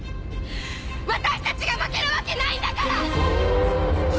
私たちが負けるわけないんだから‼楓！